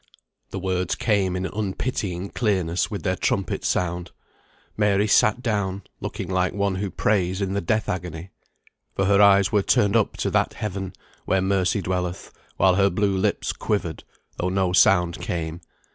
The words came in unpitying clearness with their trumpet sound. Mary sat down, looking like one who prays in the death agony. For her eyes were turned up to that Heaven, where mercy dwelleth, while her blue lips quivered, though no sound came.